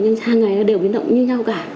nhưng sang ngày nó đều biến động như nhau cả